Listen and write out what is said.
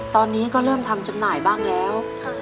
ตอนนี้ก็เริ่มทำจำหน่ายบ้างแล้ว